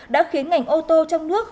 đã khiến ngành ô tô trong nước